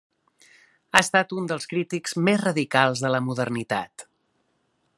Ha estat un dels crítics més radicals de la modernitat.